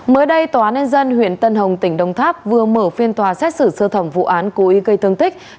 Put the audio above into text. mới đây tòa án nhân dân huyện tân hồng tỉnh đông tháp vừa mở phiên tòa xét xử sơ thẩm vụ án cố ý gây thương tích